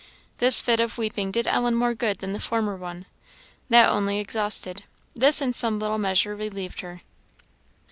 This fit of weeping did Ellen more good than the former one; that only exhausted, this in some little measure relieved her.